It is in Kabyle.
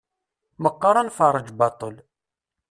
Meqqar ad nferreǧ baṭṭel.